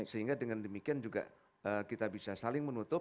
sehingga dengan demikian juga kita bisa saling menutup